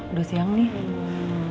udah siang nih